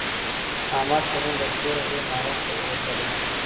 احمد پرون له کوره ډېر ناوخته ووتلی.